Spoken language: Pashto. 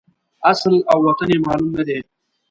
اصل او وطن یې معلوم نه دی.